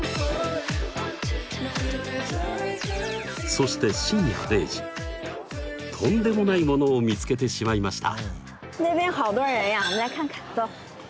そして深夜０時とんでもないものを見つけてしまいました！